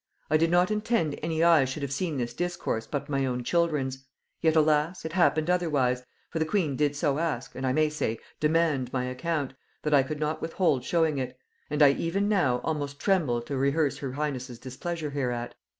I did not intend any eyes should have seen this discourse but my own children's; yet alas! it happened otherwise; for the queen did so ask, and I may say, demand my account, that I could not withhold showing it; and I, even now, almost tremble to rehearse her highness' displeasure hereat.